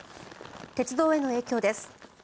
鉄道への影響です。